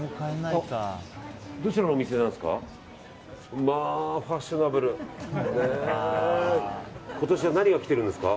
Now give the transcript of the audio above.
どちらのお店なんですか。